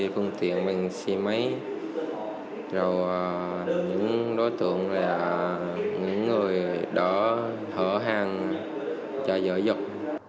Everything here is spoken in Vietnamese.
phương tiện mình xe máy rồi những đối tượng là những người đó hở hàng cho giở dục